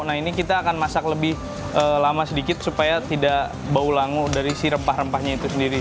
nah ini kita akan masak lebih lama sedikit supaya tidak bau langu dari si rempah rempahnya itu sendiri